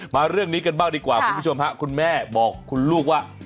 เรื่องนี้กันบ้างดีกว่าคุณผู้ชมฮะคุณแม่บอกคุณลูกว่า